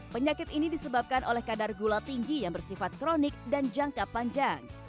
penyakit ini disebabkan oleh kadar gula tinggi yang bersifat kronik dan jangka panjang